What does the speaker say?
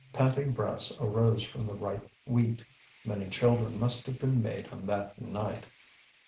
Panting breaths arose from the ripe wheat; many children must have been made on that night.